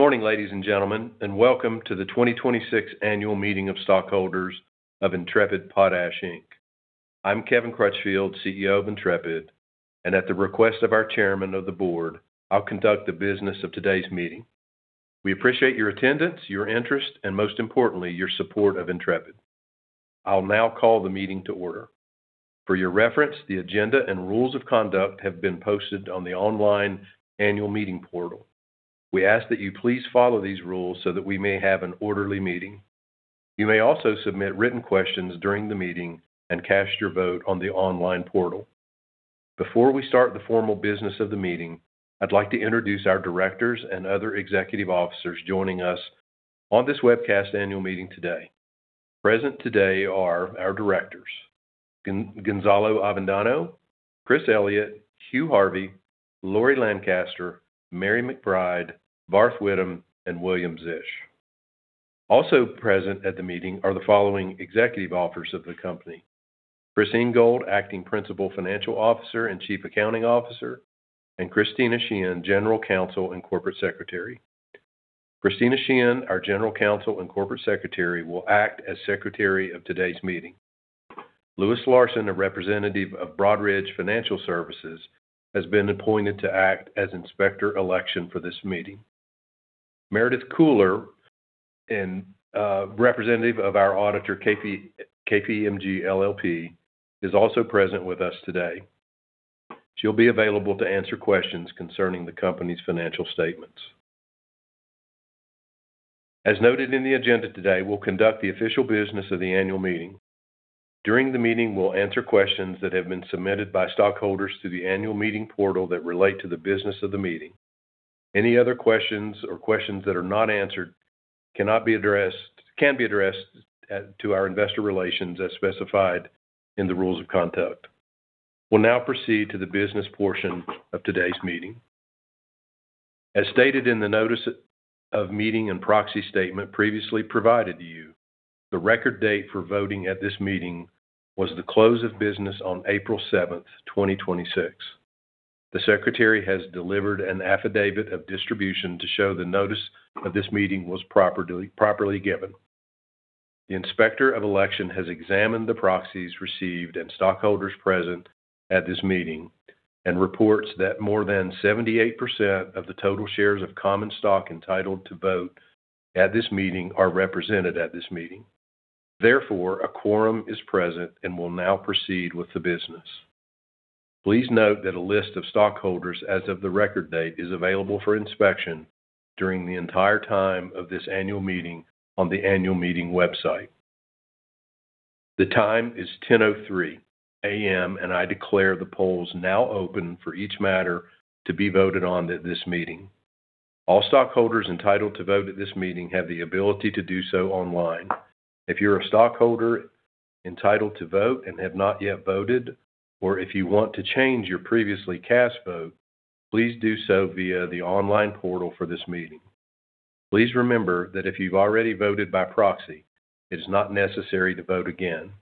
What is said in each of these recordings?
Good morning, ladies and gentlemen, and welcome to the 2026 Annual Meeting of Stockholders of Intrepid Potash, Inc. I'm Kevin Crutchfield, CEO of Intrepid, and at the request of our Chairman of the Board, I'll conduct the business of today's meeting. We appreciate your attendance, your interest, and most importantly, your support of Intrepid. I'll now call the meeting to order. For your reference, the agenda and rules of conduct have been posted on the online annual meeting portal. We ask that you please follow these rules so that we may have an orderly meeting. You may also submit written questions during the meeting and cast your vote on the online portal. Before we start the formal business of the meeting, I'd like to introduce our directors and other executive officers joining us on this webcast annual meeting today. Present today are our directors, Gonzalo Avendano, Chris Elliott, Hugh Harvey, Lori Lancaster, Mary McBride, Barth Whitham, and William Zisch. Also present at the meeting are the following executive officers of the company, Cris Ingold, acting Principal Financial Officer and Chief Accounting Officer, and Christina Sheehan, General Counsel and Corporate Secretary. Christina Sheehan, our General Counsel and Corporate Secretary, will act as secretary of today's meeting. Louis Larson, a representative of Broadridge Financial Solutions, has been appointed to act as Inspector of Election for this meeting. Meredith Cooler, representative of our auditor, KPMG LLP, is also present with us today. She'll be available to answer questions concerning the company's financial statements. As noted in the agenda today, we'll conduct the official business of the annual meeting. During the meeting, we'll answer questions that have been submitted by stockholders through the annual meeting portal that relate to the business of the meeting. Any other questions or questions that are not answered can be addressed to our investor relations as specified in the rules of conduct. We'll now proceed to the business portion of today's meeting. As stated in the notice of meeting and proxy statement previously provided to you, the record date for voting at this meeting was the close of business on April 7th, 2026. The Secretary has delivered an affidavit of distribution to show the notice of this meeting was properly given. The Inspector of Election has examined the proxies received and stockholders present at this meeting and reports that more than 78% of the total shares of common stock entitled to vote at this meeting are represented at this meeting. Therefore, a quorum is present, and we'll now proceed with the business. Please note that a list of stockholders as of the record date is available for inspection during the entire time of this annual meeting on the annual meeting website. The time is 10:03 A.M., and I declare the polls now open for each matter to be voted on at this meeting. All stockholders entitled to vote at this meeting have the ability to do so online. If you're a stockholder entitled to vote and have not yet voted, or if you want to change your previously cast vote, please do so via the online portal for this meeting. Please remember that if you've already voted by proxy, it is not necessary to vote again.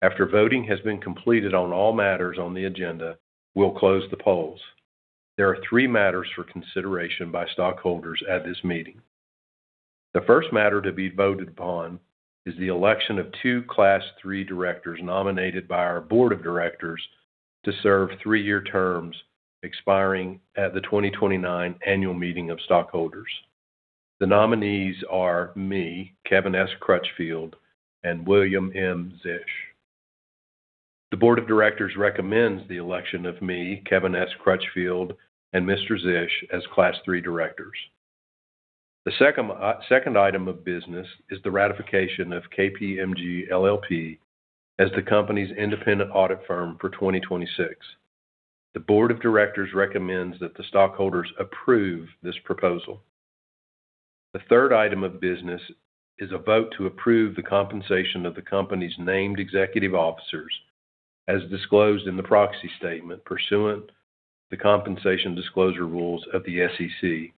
After voting has been completed on all matters on the agenda, we'll close the polls. There are three matters for consideration by stockholders at this meeting. The first matter to be voted upon is the election of two Class III Directors nominated by our Board of Directors to serve three-year terms expiring at the 2029 Annual Meeting of Stockholders. The nominees are me, Kevin S. Crutchfield, and William M. Zisch. The Board of Directors recommends the election of me, Kevin S. Crutchfield, and Mr. Zisch as Class III Directors. The second item of business is the ratification of KPMG LLP as the company's independent audit firm for 2026. The Board of Directors recommends that the stockholders approve this proposal. The third item of business is a vote to approve the compensation of the company's named executive officers, as disclosed in the proxy statement pursuant the compensation disclosure rules of the SEC.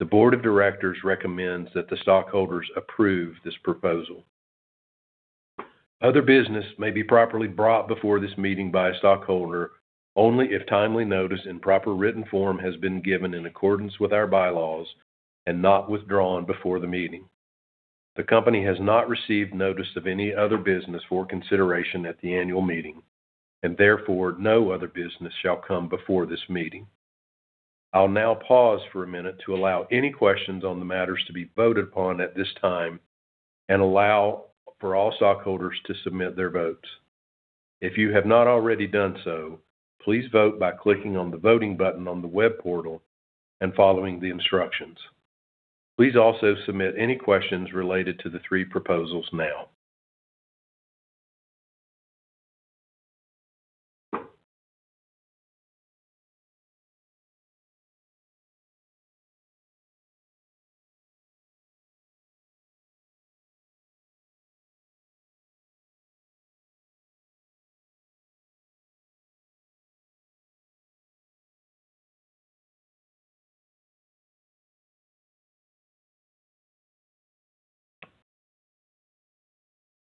The Board of Directors recommends that the stockholders approve this proposal. Other business may be properly brought before this meeting by a stockholder only if timely notice in proper written form has been given in accordance with our bylaws and not withdrawn before the meeting. The company has not received notice of any other business for consideration at the annual meeting, and therefore, no other business shall come before this meeting. I'll now pause for a minute to allow any questions on the matters to be voted upon at this time and allow for all stockholders to submit their votes. If you have not already done so, please vote by clicking on the Voting button on the web portal and following the instructions. Please also submit any questions related to the three proposals now.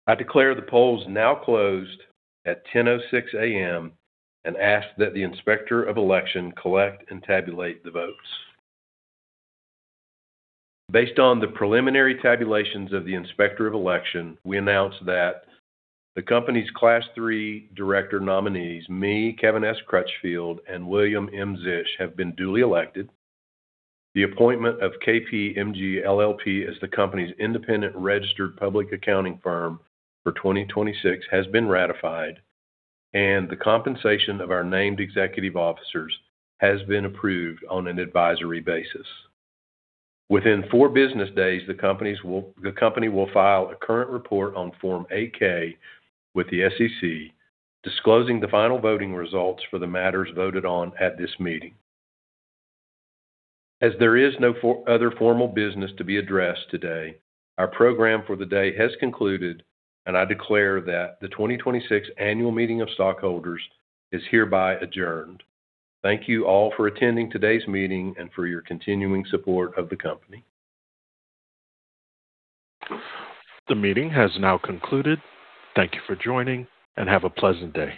I declare the polls now closed at 10:06 A.M. and ask that the Inspector of Election collect and tabulate the votes. Based on the preliminary tabulations of the Inspector of Election, we announce that the company's Class III Director nominees, me, Kevin S. Crutchfield, and William M. Zisch, have been duly elected. The appointment of KPMG LLP as the company's independent registered public accounting firm for 2026 has been ratified, and the compensation of our named executive officers has been approved on an advisory basis. Within four business days, the company will file a current report on Form 8-K with the SEC, disclosing the final voting results for the matters voted on at this meeting. As there is no other formal business to be addressed today, our program for the day has concluded, and I declare that the 2026 Annual Meeting of Stockholders is hereby adjourned. Thank you all for attending today's meeting and for your continuing support of the company. The meeting has now concluded. Thank you for joining, and have a pleasant day.